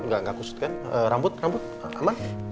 gak kusut kan rambut rambut aman